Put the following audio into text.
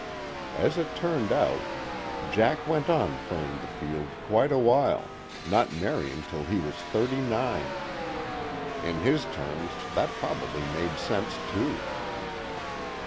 (As it turned out, Jack went on playing the field quite a while, not marrying till he was thirty nine; in his terms that probably made sense too.)